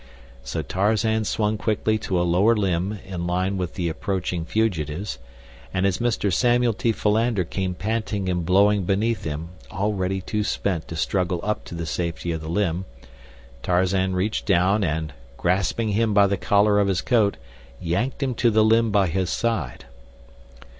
So Tarzan swung quickly to a lower limb in line with the approaching fugitives; and as Mr. Samuel T. Philander came panting and blowing beneath him, already too spent to struggle up to the safety of the limb, Tarzan reached down and, grasping him by the collar of his coat, yanked him to the limb by his side.